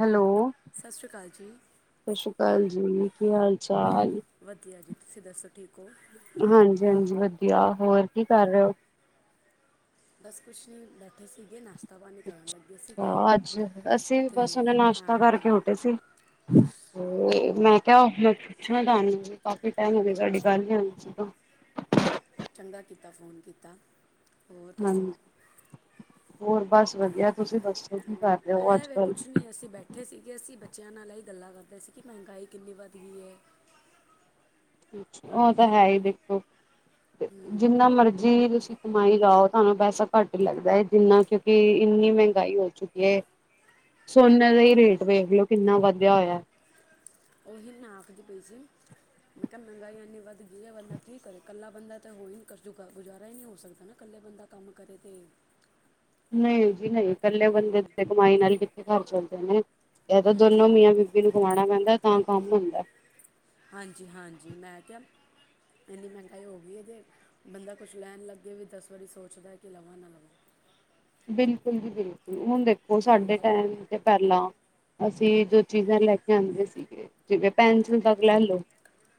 Hello ਸਤਿ ਸ਼੍ਰੀ ਅਕਾਲ ਜੀ ਸਤਿ ਸ਼੍ਰੀ ਅਕਾਲ ਜੀ ਕੀ ਹਾਲ ਚਾਲ। ਵਧੀਆ ਜੀ ਤੁਸੀਂ ਦੱਸੋ ਠੀਕ ਹੋ। ਹਾਂਜੀ ਹਾਂਜੀ ਵਧੀਆ ਹੋਰ ਕੀ ਕਰ ਰਹੇ ਹੋ। ਬਸ ਕੁਛ ਨਹੀ ਬੈਠੇ ਸੀਗੇ ਨਾਸ਼ਤਾ। ਪਾਣੀ ਕਰਨ ਲੱਗੇ ਸੀਗੇ ਅੱਜ ਅਸੀਂ ਤੇ ਬਸ ਹੁਣੇ ਨਾਸ਼ਤਾ ਕਰਕੇ ਹਾਂਜੀ ਉਠੇ ਸੀ। ਮੈ ਕਿਆ ਮੈ ਪੁੱਛਾ ਤੁਹਾਨੂੰ ਕਾਫੀ ਟੈਮ ਹੋਗੇਆ ਸਾਡੀ ਗੱਲ ਨਹੀਂ। ਹੋਈ ਸੀ ਚੰਗਾ ਕੀਤਾ ਫੋਨ ਕੀਤਾ। ਹੋਰ ਦੱਸੋ ਹਾਂਜੀ ਹੋਰ ਬਸ ਵਧੀਆ। ਤੁਸੀਂ ਦੱਸੋ ਕੀ ਕਰ ਰਹੇ ਹੋ ਅੱਜ ਹੈਵੇ ਕੱਲ? ਕੁਛ ਨਹੀ ਅਸੀ ਬੈਠੇ- ਇਕੱਠੇ ਸੀਗੇ ਅਸੀ ਬੱਚਿਆਂ ਨਾਲ ਇਹ ਗੱਲਾਂ ਕਰਦੇ ਸੀ ਕਿ ਮਹਿੰਗਾਈ ਕਿਨੀ ਵੱਧ ਗਈ ਹੈ। ਉਹ ਤਾਂ ਹੈਹੀ ਦੇਖੋ ਤੇ ਜਿਨਾ ਮਰਜੀ ਤੁਸੀ- ਕਮਾਈ ਜਾਓ ਤੁਹਾਨੂੰ ਪੈਸਾ ਘੱਟ ਹੀ ਲਗਦਾ ਹੈ। ਜਿਨਾ ਕਿਉਕਿ ਇਨੀ ਮਹਿੰਗਾਈ ਹੋ ਚੁੱਕੀ ਹੈ। ਸੋਨੇ ਦਾ ਹੀ ਰੇਟ ਵੇਖ ਲੋ ਕਿੰਨਾ ਵਧੇਆ ਹੋਇਆ। ਉਹੀ ਨਾ ਆਖਦੀ ਪਈ ਸੀ। ਮੈ ਕਿਹਾ ਮਹਿੰਗਾਈ ਇਨੀ ਵੱਧ ਗਈ ਹੈ। ਬੰਦਾ ਕੀ ਕਰੇ ਇਕਲਾ ਬੰਦਾ ਤਾਂ ਹੋਈ ਨ ਗੁਜਾਰਾ ਹੀ ਨਹੀ ਹੋ ਸਕਦਾ ਨਾ ਇਕਲੇ- ਬੰਦਾ ਕੰਮ ਕਰੇ ਤੇ- [inaudible] ਨਹੀ ਜੀ ਨਹੀ ਇਕਲੇ ਬੰਦੇ ਤੇ ਕਮਾਈ ਨਾਲ ਕਿਥੇ ਘਰ ਚੱਲਦੇ ਨੇ ਇਹ ਤਾਂ ਦੋਨੋ ਮੀਆਂ ਵੀ- ਜੀਨੂੰ ਕਮਾਣਾ ਪੈਦਾ ਤਾਂ ਕੰਮ ਹੁੰਦਾ- ਹਾਂਜੀ- ਹਾਂਜੀ ਮੈ ਕਿਹਾ। ਇਨੀ ਮਹਿੰਗਾਈ ਹੋ ਗਈ ਹੈ। ਅਤੇ ਬੰਦਾ ਕੁਛ ਲੈਣ ਲਗੇ ਵੀ ਦਸ ਵਾਰੀ ਸੋਚਦਾ ਕਿ ਲਵਾ ਨਾ ਲਵਾ- ਬਿਲਕੁਲ ਜੀ ਬਿਲਕੁਲ ਹੁਣ ਦੇਖੋ ਸਾਡੇ ਹਾਂਜੀ ਟੈਮ- ਤੇ ਪੈਲਾ ਅਸੀ ਜੋ ਚੀਜਾ ਲੈ ਕੇ ਆਉਂਦੇ ਸੀਗੇ- ਜਿਵੇ ਪੈਨਸਿਲ ਸੈਟ ਲੈ ਲੋ-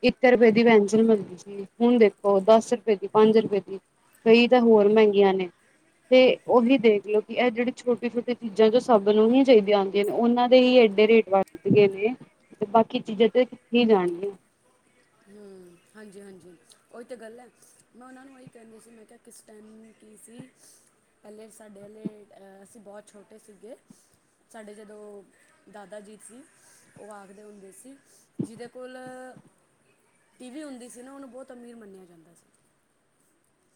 ਇਕ ਰੁਪਏ ਦੀ ਪੈਨਸਿਲ ਮਿਲਦੀ ਸੀ ਹੁਣ ਦੇਖੋ ਦਸ ਰੁਪਏ ਦੀ ਪੰਜ ਰੁਪਏ ਦੀ- ਕਈ ਤਾਂ ਹੋਰ ਮਹਿੰਗੀਆਂ ਨੇ ਤੇ- ਉਹੀ ਦੇਖਲਓ ਕਿ ਇਹ ਜਿਹੜੀ ਛੋਟੀ- ਛੋਟੀ ਚੀ ਜਾ ਜੋ ਸਬ ਨੂੰ ਹੀ ਚਾਈਦੀਆ ਆਉਦੀਆਂ ਨੇ ਉਹਨਾ ਦੇ ਹੀ ਏਡੇ ਰੇਟ ਵ- ਗਏ ਨੇ ਤੇ ਬਾਕੀ ਚੀਜਾ ਤੇ ਕਿਥੇ ਹੀ ਜਾਣਗੀਆਂ- ਹੂੰ - ਹਾਂਜੀ- ਹਾਂਜੀ ਉਹੀ ਤਾਂ ਗੱਲ ਹੈ। ਮੈ ਉਹਨਾ ਨੂੰ ਇਹੀ ਕਹਿਦੀ ਸੀ ਮੈ ਕਿਹਾ ਕਿਸ ਟੈਮ ਕੀਸੀ। ਪੈਲੇ ਸਾਡੇ ਵਾਲੇ ਅਹ ਅਸੀ ਬੋਤ ਛੋਟੇ ਸੀਗੇ ਸਾਡੇ ਜਦੋ- ਦਾਦਾ ਜੀ ਸੀ ਉਹ ਆਖਦੇ ਹੁੰਦੇ ਸੀ ਜਿਹਦੇ ਕੋਲ- ਟੀ ਵੀ ਹੁੰਦੀ ਸੀ ਨਾ ਉਹਨੂੰ ਬੋਤ ਅਮੀਰ ਮੰਨਿਆ ਜਾਦਾ ਸੀ-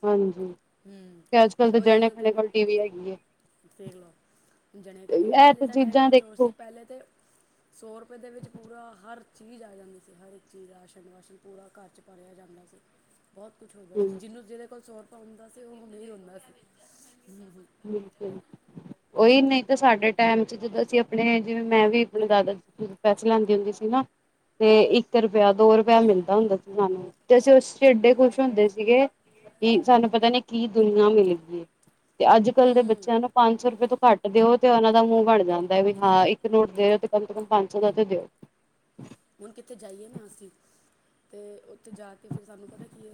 ਹਾਂਜੀ- ਹਮ ਅੱਜ ਕੱਲ੍ਹ ਤੇ ਤਾਂ ਉਹੀ ਜਣੇ ਗੱਲ ਖਣੇ ਕਹਿੰਦੇ ਕੋਲ ਟੀ ਵੀ ਹੈਗੀ ਹੈ ਦੇਖ ਲਓ- ਜਣੇ ਘੜੇ ਇਹ ਪੈਲੇ ਤਾਂ ਦਾ ਟਾਈਮ ਚੀਜ਼ਾਂ ਕੁਛ ਹੋਰ ਦੇਖੋ ਸੀ ਪੈਲੇ ਤਾਂ- ਸੌ ਰੁਪਏ ਦੇ ਵਿਚ ਪੂਰਾ ਹਰ ਚੀਜ ਆ ਜਾਂਦੀ ਸੀ, ਹਰ ਚੀਜ ਰਾਸ਼ਨ- ਵਾਸ਼ਨ ਪੂਰਾ ਘਰ 'ਚ ਭਰਿਆ ਜਾਦਾ ਸੀ। [inaudible] ਬਹੁਤ ਕੁਛ ਹੋ ਗਿਆ ਸੀ ਹਮ ਜਿਹਨੂੰ ਜਿਹਦੇ ਕੋਲ ਸੌਰਪ ਹੁੰਦਾ ਸੀ ਉਹ ਅਮੀਰ ਹੁੰਦਾ ਸੀ। ਉਹੀ ਨਹੀ ਤਾਂ ਸਾਡੇ ਟਾਈਮ 'ਚ ਜਦੋ ਅਸੀ ਆਪਣੇ ਜਿਵੇ ਮੈ ਵੀ ਆਪਣੇ ਦਾਦਾ- ਪੈਸੇ ਲੈਦੀ ਹੁੰਦੀ ਸੀ ਨਾ, ਤੇ ਇਕ ਰੁਪਇਆ ਦੋ ਰੁਪਇਆ ਮਿਲਦਾ ਹੁੰਦਾ ਸੀ ਸਾਨੂੰ। ਤੇ ਅਸੀ ਉਸ 'ਚ ਇਡੇ ਖੁਸ਼ ਹੁੰਦੇ ਸੀਗੇ ਕਿ ਸਾਨੂੰ ਪਤਾ ਨੀ ਕੀ ਦੁਨੀਆਂ ਮਿਲ ਗਈ ਹੈ। ਤੇ ਅਜ ਕਲ ਦੇ ਬੱਚਿਆਂ ਨੂੰ- ਪੰਜ ਸੌ ਰੁਪਏ ਤੋਂ ਘਟ ਦਿਓ ਤੇ ਉਹਨਾ ਦਾ ਮੂੰਹ ਬਣ ਜਾਦਾ ਵੀ ਹਾਂ ਇਕ ਨੋਟ ਦੇ ਰੇ ਓ ਤੇ ਕਮ ਸੇ ਕਮ ਪੰਜ ਸੌ ਦਾ ਤੇ ਦਿਓ। ਹੁਣ ਕਿਤੇ ਜਾਈਏ ਨਾ ਅਸੀ, ਤੇ ਉਥੇ ਜਾ ਕੇ ਫੇਰ ਸਾਨੂੰ ਪਤਾ ਕੀ-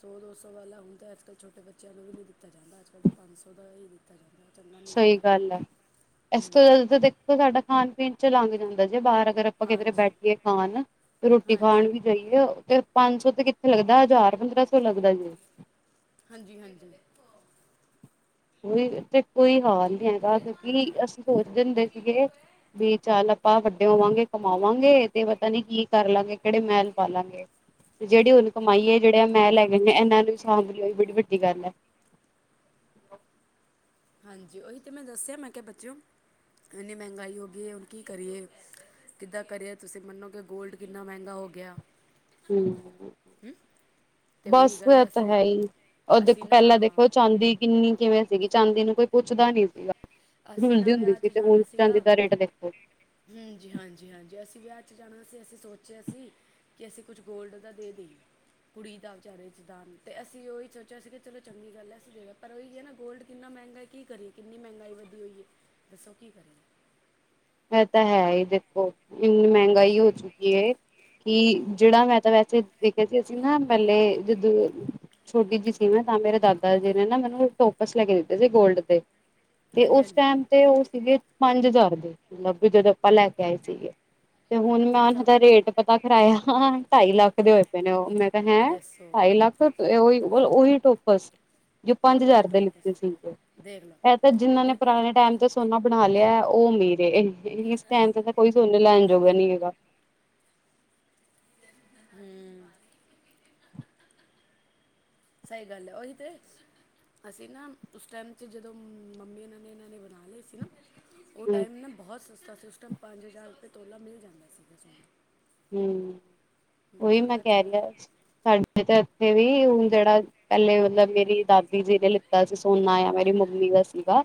ਸੌ- ਦੋ ਸੌ ਵਾਲਾ ਹੁਣ ਤਾਂ ਅਜ ਕਲ ਛੋਟੇ ਬੱਚਿਆਂ ਨੂੰ ਵੀ ਨਹੀ ਦਿਤਾ ਜਾਂਦਾ, ਅਜ ਕਲ ਤਾਂ ਪੰਜ ਸੌ ਦਾ ਹੀ ਦਿਤਾ ਜਾਂਦਾ। ਚੰਗਾ ਨਹੀਂ ਸਹੀ ਲੱਗਦਾ ਗੱਲ ਹੈ। ਇਸ ਤੋਂ ਹੂੰ ਜ਼ਿਆਦਾ ਤਾਂ ਦੇਖੋ ਸਾਡਾ ਖਾਣ- ਪੀਣ 'ਚ ਲੰਘ ਜਾਦਾ ਜੇ ਬਾਹਰ- ਅਗਰ ਆਪਾ ਕਿਧਰੇ ਹਾਂਜੀ ਬੈਠੀਏ ਖਾਣ, ਤੇ ਰੋਟੀ ਖਾਣ ਹਾਂਜੀ ਵੀ ਜਾਈਏ- ਪੰਜ ਸੌ ਤੇ ਕਿਥੇ ਲਗਦਾ, ਹਜ਼ਾਰ ਪੰਦਰਾਂ ਸੌ ਲੱਗਦਾ ਜੇ। ਹਾਂਜੀ- ਹਾਂਜੀ। ਕੋਈ ਤੇ ਕੋਈ ਹਾਲ ਨੀ ਹੈਗਾ ਕਿਉਕਿ ਅਸੀ- ਸੋਚਦੇ ਹੁੰਦੇ ਸੀਗੇ ਵੀ ਚਲ ਆਪਾ ਵੱਡੇ ਹੋਵਾਂਗੇ ਕਮਾਵਾਂਗੇ ਤੇ ਪਤਾ ਨੀ ਕੀ- ਕਰ ਲਾਗੇ ਕਿਹੜੇ ਮਹਿਲ ਪਾਲਾਗੇ ਤੇ ਜਿਹੜੀ ਹੁਣ ਕਮਾਈ ਹੈ ਜਿਹੜੇ ਏ ਮਹਿਲ ਹੈ। ਜਿਨੇ ਇਹਨਾ ਨੂੰ ਵੀ ਸਾਂਭ ਲਿਆਓਈ ਬੜੀ ਵੱਡੀ ਗੱਲ ਹੈ। ਹਾਂਜੀ ਉਹੀ ਤੇ ਮੈ ਦਸਿਆ ਮੈ ਕਿਹਾ ਬੱਚਓ, ਇਨੀ ਮਹਿੰਗਾਈ ਹੋ ਗਈ ਹੈ ਹੁਣ ਕੀ ਕਰੀਏ। ਕਿੱਦਾਂ ਕਰੀਏ ਤੁਸੀ ਮਨੋ ਕਿ ਗੋਲਡ ਕਿਨਾ ਮਹਿਗਾ ਹੋ ਗਿਆ। ਹੂੰ। ਅਤੇ ਬਸ ਉਹੀ ਗੱਲ ਐ ਤਾਂ ਅਸੀਂ ਹੈ ਹੀ, ਉਹ ਦੇਖੋ ਅਸੀਂ ਨਾ ਪਹਿਲਾ ਦੇਖੋ ਚਾਂਦੀ- ਕਿੰਨੀ ਕਿਵੇਂ ਸੀਗੀ ਚਾਂਦੀ ਨੂੰ ਕੋਈ ਪੁੱਛਦਾ ਨੀ ਸੀਗਾ। ਅਸੀਂ ਰੂਲਦੀ ਨਾ ਹੁੰਦੀ ਵਿਆਹ ਸੀ, 'ਚ ਤੇ ਹੁਣ ਜਾਣਾ ਸੀਗਾ ਚਾਂਦੀ ਦਾ ਰੇਟ ਦੇਖੋ, ਹਾਂਜੀ- ਹਾਂਜੀ ਹਾਂਜੀ, ਅਸੀਂ ਵਿਆਹ ਚ ਜਾਣਾ ਸੀ ਅਸੀਂ ਸੋਚਿਆ ਸੀ। ਕਿ ਅਸੀਂ ਕੁਛ ਗੋਲਡ ਦਾ ਦੇ ਦੇਈ ਏ। ਕੁੜੀ ਦਾ ਵਿਚਾਰੇ 'ਚਦਾਨ ਤੇ ਅਸੀਂ ਉਹੀ ਸੋਚਿਆ ਸੀ ਕਿ ਚਲੋ ਚੰਗੀ ਗੱਲ ਹੈ ਅਸੀਂ ਦੇਵੇ ਪਰ ਉਹੀ ਹੈ ਨਾ ਗੋਲਡ ਕਿੰਨਾ ਮਹਿੰਗਾ। ਕੀ ਕਰੀਏ ਕਿੰਨੀ ਮਹਿੰਗਾਈ ਵਧੀ ਹੋਈ ਹੈ, ਦੱਸੋ ਕੀ ਕਰੀਏ। ਐ ਤਾਂ ਹੈ ਹੀ। ਔ ਇੰਨੀ ਮਹਿੰਗਾਈ ਹੋ ਚੁੱਕੀ ਹੈ ਕਿ ਜਿਹੜਾ ਮੈਂ ਤਾਂ ਵੈਸੇ ਦੇਖਿਆ ਸੀ ਅਸੀਂ ਨਾ ਮਹਿਲੇ ਜਦੋਂ ਛੋਟੀ ਜਿਹੀ ਸੀ ਮੈਂ ਤਾਂ ਮੇਰੇ ਦਾਦਾ ਜੀ ਨੇ ਨਾ ਮੈਨੂੰ ਟੋਪਸ ਲੈ ਕੇ ਦਿੱਤੇ ਸੀ ਗੋਲਡ ਦੇ। ਤੇ ਹਾਂਜੀ ਉਸ ਹਾਂਜੀ ਟਾਈਮ ਤੇ ਉਹ ਸੀਗੇ ਪੰਜ ਹਜ਼ਾਰ ਦੇ। ਮਤਲਬ ਵੀ ਜਦੋਂ ਆਪਾਂ ਲੈ ਕੇ ਆਏ ਸੀਗੇ, ਤੇ ਹੁਣ ਅੱਛਾ ਉਹਨਾਂ ਅੱਛਾ ਦਾ ਰੇਟ, ਪਤਾ ਕਰਰਾਇਆ ਢਾਈ ਲੱਖ ਦੇ ਹੋਏ ਪਏ ਨੇ ਉਹ ਮੈਂ ਤਾਂ ਹੈ, ਦੱਸੋ ਢਾਈ ਲੱਖ। ਤੇ ਐ ਉ ਓਹੀ ਟੋਪਸ। ਜੋ ਔਰ ਪੰਜ ਉਹੀ ਹਜ਼ਾਰ ਦੇ ਟੋਕਸ ਲਿੱਤੇ ਸੀਗੇ, ਦੇਖ ਲਓ ਇਹ ਤਾਂ ਜਿੰਨਾਂ ਨੇ ਉਹੀ ਤੇ ਪੁਰਾਣੇ ਟਾਈਮ ਤੇ ਸੋ- ਸੋਨਾ ਬਣਾ ਲਿਆ ਉਹ ਅਮੀਰ ਐ ਇਸ ਟਾਈਮ ਤੇ ਤਾਂ ਕੋਈ ਸੋਨੇ ਲੈਣ ਜੋਗਾ ਨੀ ਹੈਗਾ। ਹੂੰ। ਸਹੀ ਗੱਲ ਹੈ ਉਹੀ ਤੇ। ਅਸੀਂ ਨਾ ਉਸ ਟਾਈਮ ਚ ਜਦੋਂ ਮੰਮੀ ਇਹਨਾਂ ਨੇ ਇਹਨਾਂ ਨੇ ਬਣਾ ਲਏ ਸੀ ਨਾ। ਉਹ ਹੂੰ ਟਾਈਮ ਨਾ ਬਹੁਤ ਸਸਤਾ ਸੀ ਓਸ ਟੈਮ ਪੰਜ ਹਜ਼ਾਰ ਰੁਪਏ ਤੋਲਾ ਮਿਲ ਜਾਂਦਾ ਸੀਗਾ ਸਾਨੂੰ। ਹੂੰ ਉਹੀ ਮੈਂ ਔਰ ਅੱਜ ਕਹਿ ਰਿਹਾ ਕੱਲ੍ਹ ਸਾਡੇ ਤੇ ਇੱਥੇ ਵੀ ਹੁਣ ਜਿਹੜਾ ਪਹਿਲੇ ਮਤਲਬ ਮੇਰੀ ਦਾਦੀ ਜੀ ਨੇ ਲਿੱਤਾ ਸੀ ਸੋਨਾ ਆ ਮੇਰੀ ਮੰਮੀ ਦਾ ਸੀਗਾ।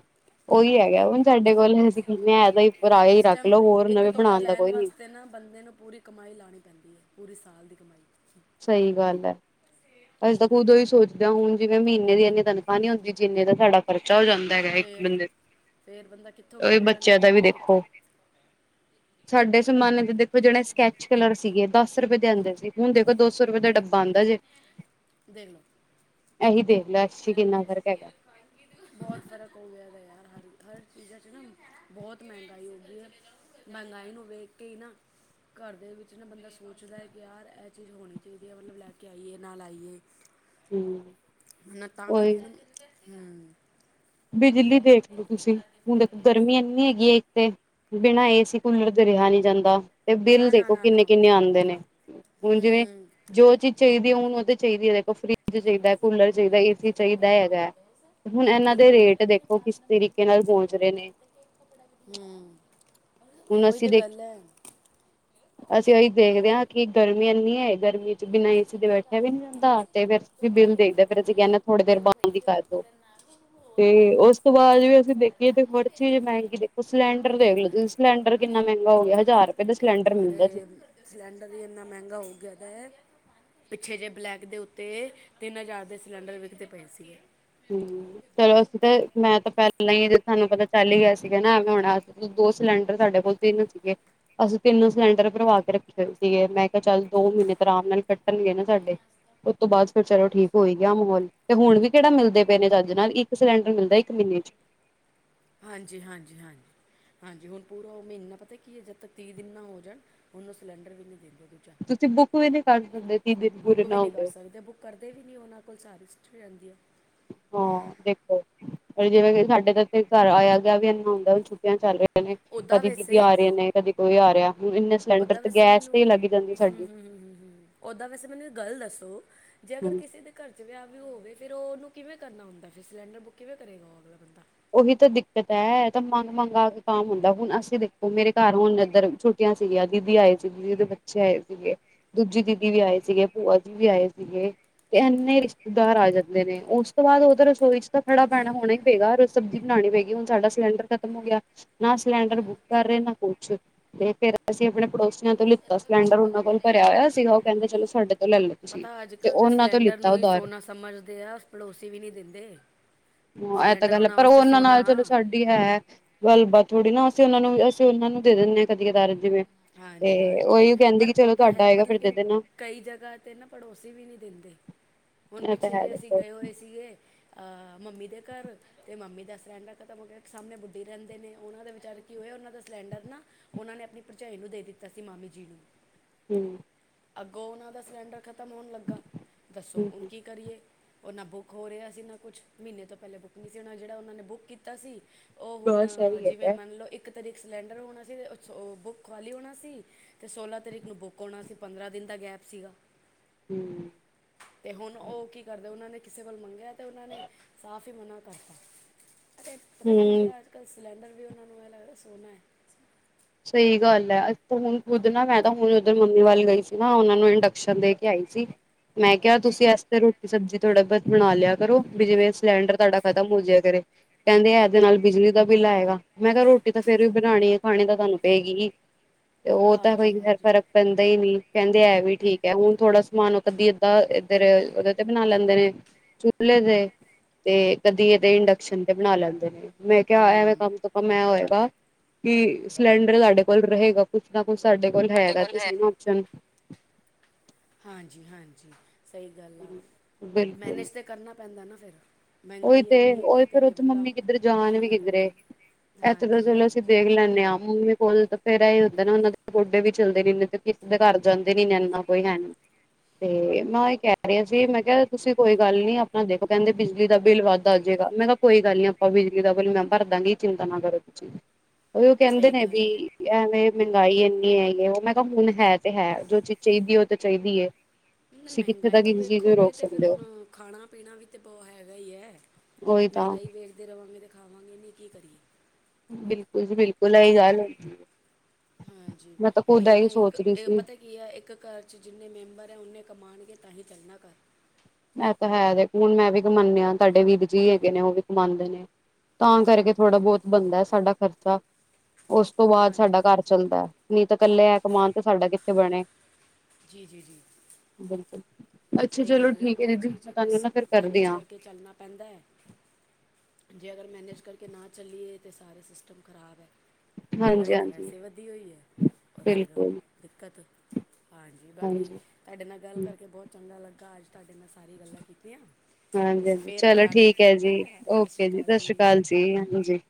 ਉਹੀ ਹੈਗਾ ਹੁਣ ਸਾਡੇ ਕੋਲ ਅਸੀਂ ਕਿਨੇ ਆ ਐਦਾ ਹੀ ਪਰ ਆ ਹੀ ਰੱਖ ਲਓ ਹੋਰ ਨਵੇਂ ਬਣਾਉਣ ਦਾ ਕੋਈ ਨੀ। ਤੇ ਨਾ ਬੰਦੇ ਨੂੰ ਪੂਰੀ ਕਮਾਈ ਲਾਉਣੀ ਪੈਂਦੀ ਹੈ, ਪੂਰੀ ਸਾਲ ਦੀ ਕਮਾਈ। ਸਹੀ ਗੱਲ ਹੈ। ਅਸੀਂ ਤਾਂ ਹੂੰ ਖੁਦ ਹੀ ਸੋਚਦੇ ਹੁਣ, ਜਿਵੇਂ ਮਹੀਨੇ ਦੀ ਇੰਨੀ ਤਨਖਾਹ ਨੀ ਹੁੰਦੀ, ਜਿੰਨੇ ਦਾ ਸਾਡਾ ਖਰਚਾ ਹੋ ਜਾਂਦਾ। ਹੈਗਾ ਇੱਕ ਫੇਰ ਬੰਦੇ, ਫੇਰ ਬੰਦਾ ਕਿੱਥੋਂ ਬੱਚਿਆਂ ਦਾ ਲਵੇ ਵੀ ਤੇ ਦੇਖੋ ਕਿੱਥੋਂ ਸਾਡੇ ਜ਼ਮਾਨੇ ਦੇ ਦੇਖੋ, ਜਿਹੜੇ ਸਕੈਚ ਕਲਰ ਸੀਗੇ ਦਸ ਰੁਪਏ ਦੇ ਆਉਂਦੇ ਸੀ, ਹੁਣ ਦੇਖੋ ਦੋ ਸੌ ਰੁਪਏ ਦਾ ਡੱਬਾ ਆਉਂਦਾ ਜੇ ਦੇਖ ਲੋ ਇਹੀ ਦੇ ਦੇਖ ਲੈ, ਐ ਚੀਜ 'ਚ ਕਿੰਨਾ ਫਰਕ ਹੈਗਾ। ਬਹੁਤ ਫ਼ਰਕ ਹੋ ਗਿਆ ਵਾ ਯਾਰ, ਹਰ- ਹਰ ਚੀਜ਼ਾਂ 'ਚ ਨਾ, ਬਹੁਤ ਮਹਿੰਗਾਈ ਹੋ ਗਈ ਹੈ। ਮਹਿੰਗਾਈ ਨੂੰ ਵੇਖ ਕੇ ਹੀ ਨਾ ਘਰ ਦੇ ਵਿੱਚ ਨਾ ਬੰਦਾ ਸੋਚਦਾ ਹੈ ਕਿ ਯਾਰ, ਇਹ ਚੀਜ਼ ਹੋਣੀ ਚਾਹੀਦੀ ਹੈ ਮਤਲਬ ਲੈ ਕੇ ਆਈਏ, ਨਾ ਲਾਈਏ। ਹਮ। ਹਨ ਤਾਂ ਕਰਕੇ, ਹਮ ਬਿਜਲੀ ਦੇਖ ਲਓ ਤੁਸੀਂ, ਹੁਣ ਦੇਖੋ ਗਰਮੀ ਇੰਨੀ ਹੈਗੀ ਹੈ ਇੱਕੱਥੇ ਬਿਨਾਂ ਏ ਸੀ ਕੁਲਰ ਦੇ, ਰਿਹਾ ਨਹੀਂ ਜਾਂਦਾ। ਤੇ ਬਿੱਲ ਨਾ ਨਾ ਦੇਖੋ ਨਾ ਨਾ ਕਿੰਨੇ ਕਿੰਨੇ ਆਉਂਦੇ ਨੇ, ਹੁਣ ਜਿਵੇਂ ਹੂੰ ਜੋ ਚੀਜ਼ ਚਾਹੀਦੀ ਹੈ, ਹੁੰਨ ੳ ਤਾਂ ਚਾਹੀਦੀ ਹੈ ਦੇਖੋ, ਫਰੀ ਚਾਹੀਦਾ, ਕੂਲਰ ਚਾਹੀਦਾ, ਏ ਸੀ ਚਾਹੀਦਾ ਹੈਗਾ, ਹੁਣ ਇਹਨਾ ਬਿਲਕੁਲ ਰੇਟ ਦੇਖੋ, ਕਿਸ ਤਰੀਕੇ ਨਾਲ ਪਹੁੰਚ ਰਹੇ ਨੇ। ਹਮ, ਹੁਣ ਉਹੀ ਅਸੀਂ ਤਾਂ ਦੇਖ ਗੱਲ ਹੈ। ਅਸੀਂ ਉਹੀ ਦੇਖਦੇ ਹਾਂ, ਕਿ ਗਰਮੀ ਇੰਨੀ ਹੈ ਗਰਮੀ ਬਿਨਾ ਏ ਸੀ ਦੇ ਬੈਠਿਆ ਵੀ ਨੀ ਜਾਂਦਾ, ਤੇ ਫੇਰ ਅਸੀ ਬਿੱਲ ਦੇਖਦੇ, ਫੇਰ ਅਸੀਂ ਕਹਿੰਦੇ ਥੋੜੀ ਦੇਰ ਬੰਦ ਹੀ ਕਰ ਦੋ। ਹਾਂ। ਤੇ ਉਸ ਤੋਂ ਬਾਅਦ ਵੀ, ਅਸੀਂ ਦੇਖੀਏ ਤੇ ਹੋਰ ਚੀਜ਼ ਮਹਿੰਗੀ ਦੇਖੋ, ਸਿਲੰਡਰ ਦੇਖ ਲ ਤੁਸੀਂ ਸਿਲੰਡਰ ਕਿੰਨਾ ਮਹਿੰਗਾ ਹੋ ਗਿਆ, ਹਜ਼ਾਰ ਰੁਪਏ ਦਾ ਸਿਲੰਡਰ ਮਿਲਦਾ ਜੀ ਸਾਰੇ ਸਿਲੰਡਰ ਹੀ, ਇੰਨਾ ਮਹਿੰਗਾ ਹੋ ਗਿਆ ਹੈ ਪਿੱਛੇ ਜਿਹੇ ਬਲੈਕ ਦੇ ਉੱਤੇ, ਤਿੰਨ ਹਜ਼ਾਰ ਦੇ ਸਿਲੰਡਰ ਵਿਕਦੇ ਪਏ ਸੀਗੇ। ਹਮ। ਚਲੋ ਅਸੀਂ ਤੇ, ਮੈਂ ਤਾਂ ਪਹਿਲਾਂ ਹੀ ਜ ਤੁਹਾਨੂੰ ਪਤਾ ਚੱਲ ਹੀ ਗਿਆ ਸੀਗਾ ਨਾ, ਹੁਣ ਦੋ ਸਿਲੰਡਰ ਸਾਡੇ ਕੋਲ ਤਿੰਨ ਸੀਗੇ ਅਸੀਂ ਤਿੰਨ ਸਿਲੰਡਰ ਭਰਵਾ ਕੇ ਰੱਖੇ ਹੋਏ ਸੀਗੇ, ਮੈਂ ਕਿਹਾ ਚੱਲ ਦੋ ਮਹੀਨੇ ਤੋਂ ਆਰਾਮ ਨਾਲ ਕੱਟਣਗੇ ਨਾ ਸਾਡੇ ਉਸ ਤੋਂ ਬਾਅਦ ਫਿਰ ਚਲੋ, ਠੀਕ ਹੋਈ ਗਿਆ ਮਾਹੌਲ ਤੇ ਹੁਣ ਵੀ ਕਿਹੜਾ ਮਿਲਦਾ ਦੇ ਪਏ ਨੇ ਚੱਜ ਨਾਲ, ਇੱਕ ਸਿਲੰਰ ਮਿਲਦਾ ਇੱਕ ਮਹੀਨੇ 'ਚ। ਹਾਂਜੀ, ਹਾਂਜੀ, ਹਾਂਜੀ। ਹਾਂਜੀ, ਹੁਣ ਪੂਰਾ ਉਹ ਮਹੀਨਾ ਪਤਾ ਕੀ ਹੈ, ਜਦ ਤੱਕ ਤੀਹ ਦਿਨ ਨਾ ਹੋ ਜਾਣ, ਹੁਣ ਓ ਸਿਲੰਡਰ ਵੀ ਨਹੀਂ ਦੇਂਦੇ। ਤੁਸੀਂ ਬੁੱਕ ਵੀ ਨਹੀਂ ਕਰ ਸਕਦੇ, ਤੀਹ ਦਿਨ ਪੂਰੇ ਬੁੱਕ ਵੀ ਨਾ ਹੋਣ ਨਹੀਂ ਕਰ ਤੇ ਸਕਦੇ ਬੁੱਕ ਕਰਦੇ ਵੀ ਨਹੀਂ, ਉਹਨਾਂ ਕੋਲ ਸਾਰੀ ਹਿਸਟਰੀ ਰਹਿੰਦੀ ਆ। ਹਾਂ ਦੇਖੋ, ਪਰ ਜਿਵੇਂ ਕਿ ਸਾਡੇ ਤਾਂ ਇਥੇ, ਘਰ ਆਇਆ ਗਿਆ ਵੀ ਇਨਾ ਹੁੰਦਾ ਛੁੱ ਚੱਲ ਰਹੇ ਨੇ, ਉੱਦਾਂ ਕਦੀ ਦੀਦੀ ਵੈਸੇ ਆ ਰਹੇ ਨੇ, ਕਦੇ ਕੋਈ ਆ ਰਿਹਾ, ਹੁਣ ਇੰਨੇ ਸਿਲੰਡਰ ਓਦਾਂ ਤੇ ਵੈਸੇ ਗੈਸ ਮੈਨੂੰ, ਤੇ ਹੀ ਲੱਗ ਜਾਂਦੀ ਹਮ ਸਾਡੀ -ਹਮ, ਉ ਓਦਾਂ ਵੈਸੇ ਮੈਨੂੰ ਇੱਕ ਗੱਲ ਦੱਸੋ? ਜੇ ਅਗਰ ਹਾਂਜੀ ਕਿਸੇ ਦੇ ਘਰ 'ਚ ਵਿਆਹ ਵੀ ਹੋਵੇ, ਫਿਰ ਉਹਨੂੰ ਕਿਵੇਂ ਕਰਨਾ ਹੁੰਦਾ, ਫਿਰ ਸਿਲੰਡਰ ਬੁੱਕ ਕਿਵੇਂ ਕਰੇਗਾ, ਉਹ ਅਗਲਾ ਬੰਦਾ? ਉਹੀ ਤਾਂ ਦਿੱਕਤ ਹੈ ਤਾਂ ਮੰਗ ਮੰਗਾ ਕੇ ਕੰਮ ਹੁੰਦਾ, ਹੁਣ ਅਸੀਂ ਦੇਖੋ ਮੇਰੇ ਘਰ ਹੁਣ ਇੱਧਰ ਸੀਗੀਆਂ ਦੀਦੀ ਆਏ ਸੀ, ਦੀਦੀ ਦੇ ਬੱਚੇ ਆਏ ਸੀਗੇ। ਦੂਜੀ ਦੀਦੀ ਵੀ ਆਏ ਸੀਗੇ, ਭੂਆ ਜੀ ਵੀ ਆਏ ਸੀਗੇ ਕਿ ਇੰਨੇ ਰਿਸ਼ਤੇਦਾਰ ਆ ਜਾਂਦੇ ਨੇ, ਉਸ ਤੋਂ ਬਾਅਦ ਉਧਰ ਰਸੋਈ ਚ ਤਾਂ ਖੜਾ ਪੈਣਾ ਹੋਣਾ ਹੀ ਪਏਗਾ, ਰੋ ਸਬਜ਼ੀ ਬਣਾਣੀ ਪਏਗੀ ਸਾਡਾ ਸਿਲੰਡਰ ਖਤਮ ਹੋ ਗਿਆ। ਨਾ ਸਿਲੰਡਰ ਬੁੱਕ ਕਰ ਰਹੇ ਨਾ ਕੁਛ। ਤੇ ਫੇਰ ਅਸੀਂ ਆਪਣੇ ਪੜੋਸੀਆਂ ਤੋਂ ਲਿੱਤਾ ਸਿਲੰਡਰ ਉਹਨਾਂ ਕੋਲ ਭਰਿਆ ਹੋਇਆ ਸੀਗਾ, ਉਹ ਕਹਿੰਦੇ ਚਲੋ ਸਾਡੇ ਤੋਂ ਲੈ ਲੋ। ਪਤਾ ਅੱਜ-ਕੱਲ੍ਹ ਤੇ ਸਿਲੰਡਰ ਨੂੰ ਹੀ ਸੋਨਾ ਸਮਝਦੇ ਆ, ਪੜੋਸੀ ਵੀ ਨਹੀਂ ਦਿੰਦੇ। ਹਾਂ ਐ ਤਾਂ ਸਿਲੰਡਰ ਗੱਲ, ਪਰ ਉਹ ਵਾਸਤੇ ਉਹਨਾਂ ਸੋਨਾ ਨਾਲ ਚਲੋ ਆ ਸਾਡੇ ਵੀ ਹੈ, ਗੱਲ ਬਾਤ ਥੋੜ੍ਹੀ ਨਾ ਅਸੀਂ ਉਹਨਾਂ ਨੂੰ ਅਸੀਂ ਉਹਨਾਂ ਨੂੰ ਦੇ ਦਿੰਨੇ ਆ ਕਦੀ ਕਦਾਰ ਜਿਵੇਂ ਹਾਂਜੀ, ਤੇ ਹਾਂਜੀ। ਉਹੀ ਕਹਿੰਦੇ ਪਰ ਕਿ ਉਹ ਚਲੋ ਤਾਂ ਤੁਹਾਡਾ ਹੈ, ਪਰ ਆਏਗਾ ਫਿਰ ਦੇ ਲੇਕਿਨ ਦੇਣਾ ਕਈ ਜਗ੍ਹਾ ਤੇ ਨਾ ਪੜੋਸੀ ਵੀ ਨੀ ਦਿੰਦੇ। ਹੁਣ ਇਹ ਤਾਂ ਪਿੱਛੇ ਹੈ ਜੇ ਅਸੀਂ ਦੇਖੋ ਗਏ ਹੋਏ ਸੀਗੇ ਆ! ਮੰਮੀ ਦੇ ਘਰ ਤੇ ਮੰਮੀ ਦਾ ਸਿਲੰਡਰ ਖਤਮ ਹੋ ਗਿਆ, ਸਾਹਮਣੇ ਬੁੱਢੀ ਰਹਿੰਦੇ ਨੇ ਉਹਨਾਂ ਦੇ ਵਿਚਾਰੇ ਕੀ ਹੋਇਆ ਉਹਨਾਂ ਦਾ ਸਿਲੰਡਰ ਨਾ, ਉਹਨਾਂ ਨੇ ਆਪਣੀ ਭਰਜਾਈ ਨੂੰ ਦੇ ਦਿੱਤਾ ਸੀ ਮਾਮੀ ਜੀ ਨੂੰ ਹਮ। ਅੱਗੋਂ ਉਹਨਾਂ ਦਾ ਸਿਲੰਡਰ ਖ਼ਤਮ ਹੋਣ ਲੱਗਾ, ਦੱਸੋ ਹੁਣ ਹਮ ਕੀ ਕਰੀਏ? ਉਹ ਨਾ ਬੁੱਕ ਹੋ ਰਿਹਾ ਸੀ ਨਾ ਕੁਛ, ਮਹੀਨੇ ਤੋਂ ਪਹਿਲੇ ਬੁੱਕ ਨਹੀਂ ਸੀ ਹੋਣਾ, ਜਿਹੜਾ ਉਹਨਾਂ ਨੇ ਬੁੱਕ ਕੀਤਾ ਸੀ ਉਹ ਹੁਣ ਬਸ ਇਹੀ ਜਿਵੇਂ ਹੈਗਾ ਮੰਨ ਲਓ ਇੱਕ ਤਰੀਕ ਸਿਲੰਡਰ ਹੋਣਾ ਸੀ ਉਹ ਬੁੱਕ ਖੁਆਲੀ ਹੋਣਾ ਸੀ ਤੇ ਸੋਲ੍ਹਾਂ ਤਰੀਕ ਨੂੰ ਬੁੱਕ ਹੋਣਾ ਸੀ ਪੰਦਰਾਂ ਦਿਨ ਦਾ ਗੈਪ ਸੀਗਾ। ਹੂ। ਤੇ ਹੁਣ ਉਹ ਕੀ ਕਰਦੇ, ਉਹਨਾਂ ਨੇ ਕਿਸੇ ਕੋਲ ਮੰਗਿਆ ਤੇ ਉਹਨਾਂ ਨੇ ਸਾਫ਼ ਈ ਮਨਾ ਕਰਤਾ। ਅਤੇ ਪਤਾ ਕੀ ਹਮ ਆ ਅੱਜ ਕੱਲ੍ਹ ਸਿਲੰਡਰ ਵੀ ਉਹਨਾਂ ਨੂੰ ਐ ਲੱਗਦਾ ਸੋਨਾ ਐ। ਸਹੀ ਗੱਲ ਐ, ਹੁਣ ਖੁਦ ਨਾ ਮੈਂ ਤਾਂ ਹੁਣ ਉਧਰ ਮੰਮੀ ਵੱਲ ਗਈ ਸੀ ਨਾ ਉਹਨਾਂ ਨੂੰ ਇੰਡਕਸ਼ਨ ਦੇ ਕੇ ਆਈ ਸੀ। ਮੈਂ ਕਿਹਾ ਤੁਸੀਂ ਇਸ ਤੇ ਰੋਟੀ ਸਬਜ਼ੀ ਥੋੜ੍ਹਾ ਬਹੁਤ ਬਣਾ ਲਿਆ ਕਰੋ, ਵੀ ਜਿਵੇਂ ਸਿਲੰਡਰ ਤੁਹਾਡਾ ਖਤਮ ਹੋ ਜੀਆ ਕਰੇ। ਕਹਿੰਦੇ ਇਹਦੇ ਨਾਲ ਬਿਜਲੀ ਦਾ ਬਿੱਲ ਆਏਗਾ, ਮੈਂ ਕਿਹਾ ਰੋਟੀ ਤਾਂ ਫੇਰ ਵੀ ਬਣਾਣੀ ਐ ਖਾਣੀ ਤਾਂ ਤੁਹਾਨੂੰ ਪੈਏ ਗੀ ਹੀ ਤੇ ਉਹ ਤਾਂ ਕੋਈ ਹਾਂਜੀ ਫ਼ਿਰ ਹਾਂਜੀ ਫ਼ਿਰ ਪੈਂਦਾ ਹੀ ਨੀ ਕਹਿੰਦੇ ਐ ਵੀ ਠੀਕ ਹੈ, ਹੁਣ ਥੋੜਾ ਸਮਾਨ ਉਹ ਕਦੀ ਅੱਧਾ ਇੱਧਰ ਉਹਦੇ ਤੇ ਬਣਾ ਲੈਂਦੇ ਨੇ, ਚੁੱਲੇ ਤੇ ਕਦੀ ਏਦੇ ਇੰਡਕਸ਼ਨ ਤੇ ਬਣਾ ਲੈਂਦੇ ਨੇ। ਮੈਂ ਕਿਹਾ ਐਵੇਂ ਹੂੰ ਕਮ ਤੋਂ ਕਮ ਐ ਹੋਏਗਾ ਕਿ ਸਿਲੰਡਰ ਸਾਡੇ ਕੋਲ ਰਹੇਗਾ ਕੁਛ ਨਾ ਕੁਛ ਸਾਡੇ ਕੋਲ ਹੈਗਾ ਤੇ ਸਹੀ ਨਾ ਓਪਸ਼ਨ! ਹਾਂਜੀ ਹਾਂਜੀ, ਸਹੀ ਗੱਲ ਆ। ਬਿਲਕੁਲ ਮੈਨੇਜ ਤਾਂ ਕਰਨਾ ਪੈਂਦਾ ਨਾ ਫਿਰ। ਉਹੀ ਮਹਿੰਗਾਈ ਤੇ ਐਨੀ ਏ ਉਹੀ ਕੀ ਫੇਰ ਕਰੇ ਉੱਥੇ ਬੰਦਾ, ਕੀ ਨਾ ਕਰੇ? ਇੱਥੋਂ ਤਾਂ ਹਾਂਜੀ ਚਲੋ ਅਸੀਂ ਹਾਂਜੀ ਦੇਖ ਲੈਂਨੇ ਆਂ, ਮੰਮੀ ਕੋਲ ਤਾਂ ਫ਼ਿਰ ਐ ਹੀ ਹੁੰਦਾ ਨਾ ਉਹਨਾਂ ਦੇ ਗੋਡੇ ਵੀ ਚੱਲਦੇ ਨੇ, ਮਤਲਬ ਕੀ ਕਿਸੇ ਦੇ ਘਰ ਜਾਂਦੇ ਨੀ ਮਿਲਣਾ ਕੋਈ ਹੈ ਨੀ ਤੇ ਮੈਂ ਉਹ ਹੀ ਕਹਿ ਰਿਹਾ ਸੀ ਮੈਂ ਕਿਹਾ ਤੁਸੀਂ ਕੋਈ ਗੱਲ ਨੀ ਆਪਣਾ ਦੇਖੋ ਕਹਿੰਦੇ ਬਿਜ ਬਿਜਲੀ ਦਾ ਬਿੱਲ ਵੱਧ ਆ ਜੇਗਾ। ਮੈਂ ਕਿਹਾ ਕੋਈ ਗੱਲ ਨੀ ਆਪਾਂ ਬਿਜਲੀ ਦਾ ਬਿੱਲ ਮੈਂ ਭਰ ਦਾਂਗੀ, ਚਿੰਤਾ ਨਾ ਕਰੋ ਤੁਸੀਂ। ਉਹ ਵੀ ਉਹ ਕਹਿੰਦੇ ਸਹੀ ਨੇ ਵੀ ਗੱਲ ਐਵੇਂ ਮਹਿੰਗਾਈ ਐੰਨੀ ਹੈਗੀ ਐ, ਉਹ ਮੈਂ ਕਿਹਾ ਹੁਣ ਹੈ ਤੇ ਹੈ, ਜੋ ਚੀਜ਼ ਚਾਹੀਦੀ ਉਹ ਤਾਂ ਚਾਹੀਦੀ ਐ। ਹੁਣ ਮਹਿੰਗਾਈ ਨੂੰ ਵੇਖੋਗੇ ਤੇ ਫਿਰ ਹੋ ਹੁਣ ਖਾਣਾ ਪੀਣਾ ਵੀ ਤੇ ਬਹੁ ਹੈਗਾ ਹੀ ਹੈ। ਉਹੀ ਤਾਂ ਮਹਿੰਗਾਈ ਵੇਖ ਵੇਖਦੇ ਰਵਾਂਗੇ ਤਾਂ ਖਾਵਾਂਗੇ ਨਹੀਂ! ਕੀ ਕਰੀਏ? ਬਿਲਕੁਲ ਜੀ ਬਿਲਕੁਲ ਐ ਹੀ ਗੱਲ। ਹਾਂਜੀ ਮੈਂ ਤਾਂ ਖੁਦ ਉਹੀ ਹੈ ਨਾ ਇਹੀ ਇੱਕ ਸੋਚ ਰਹੀ ਇਹ ਸੀ ਪਤਾ ਕੀ ਹੈ ਇੱਕ ਘਰ 'ਚ ਜਿੰਨੇ ਮੈਂਬਰ ਹੈ ਉਨੇ ਕਮਾਣਗੇ ਤਾਂਹੀ ਚੱਲਣਾ ਘਰ। ਮੈਂ ਤਾਂ ਹੈ ਦੇਖ ਹੁਣ ਮੈਂ ਵੀ ਕਮਾਨੀ ਆ, ਤੁਹਾਡੇ ਵੀਰ ਜੀ ਹੈਗੇ ਨੇ ਉਹ ਵੀ ਕਮਾਦੇ ਨੇ। ਤਾਂ ਕਰਕੇ ਥੋੜ੍ਹਾ ਬਹੁਤ ਬਣਦਾ ਐ ਸਾਡਾ ਖ਼ਰਚਾ। ਉਸ ਤੋਂ ਬਾਅਦ ਸਾਡਾ ਹਾਂਜੀ ਘਰ ਹਾਂਜੀ ਚੱਲਦਾ, ਨਹੀਂ ਤਾਂ ਇਕੱਲੇ ਐ ਕਮਾਣ ਤੇ ਸਾਡਾ ਕਿੱਥੇ ਬਣੇ। ਜੀ ਜੀ ਜੀ। ਬਿਲਕੁਲ, ਅੱਛਾ ਸਹੀ ਚਲੋ ਗੱਲ ਆ ਠੀਕ ਹੈ ਉਹੀ ਦੀਦੀ ਚੀਜ਼ ਮੈਂ ਤੁਹਾਨੂੰ ਬਸ ਨਾ ਫਿਰ ਕਰਦੀ ਮੈਨੇਜ ਹਾਂ ਕਰਕੇ ਚੱਲਣਾ ਪੈਂਦਾ ਐ। ਜੇ ਅਗਰ ਮੈਨੇਜ ਕਰਕੇ ਨਾ ਚੱਲੀਏ ਤੇ ਸਾਰੇ ਸਿਸਟਮ ਖ਼ਰਾਬ ਐ। ਹਾਂਜੀ ਮਹਿੰਗਾਈ ਤੇ ਹਾਂਜੀ ਵੈਸੇ ਵਧੀ ਹੋਈ ਐ। ਔਰ ਫਿਰ ਬਿਲਕੁਲ ਦਿੱਕਤ, ਹਾਂਜੀ ਬਾਕੀ ਤੁਹਾਡੇ ਨਾਲ ਗੱਲ ਹਾਂਜੀ ਕਰਕੇ ਬਹੁਤ ਚੰਗਾ ਲੱਗਾ, ਅੱਜ ਤੁਹਾਡੇ ਨਾਲ ਸਾਰੀ ਗੱਲਾਂ ਕੀਤੀਆਂ। ਹਾਂਜੀ ਅਸੀਂ ਹਾਂਜੀ ਫੇਰ ਚਲੋ ਕਰਾਂਗੇ ਠੀਕ ਐ ਫੋਨ ਹਾਂ ਜੀ, ਸ਼੍ਰੀ ਓਕੇ ਜੀ ਸਤਿ ਸ੍ਰੀ ਅਕਾਲ ਜੀ ਹਾਂਜੀ।